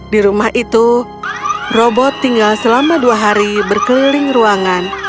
di rumah itu robot tinggal selama dua hari berkeliling ruangan